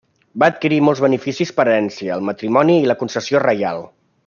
Va adquirir molts beneficis per herència, el matrimoni i la concessió reial.